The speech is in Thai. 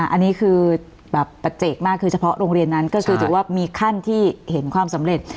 อันนี้คือแบบปัจเจกมากคือเฉพาะโรงเรียนนั้นก็คือถือว่ามีขั้นที่เห็นความสำเร็จ